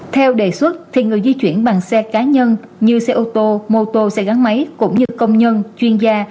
theo đề xuất thì người di chuyển bằng xe cá nhân như xe ô tô mô tô xe gắn máy cũng như công nhân chuyên gia